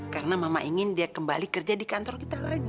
karena mama ingin dia kembali kerja di kantor kita lagi